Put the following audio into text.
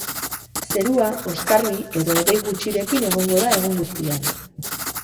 Zerua oskarbi edo hodei gutxirekin egongo da egun guztian.